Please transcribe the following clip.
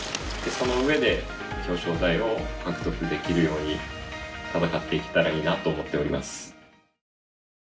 そのうえで表彰台を獲得できるように戦っていけたらいいなと思っております。